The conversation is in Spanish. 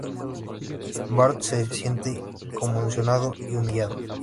Bart se siente conmocionado y humillado.